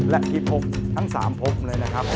และอีภพทั้ง๓ภพเลยนะครับ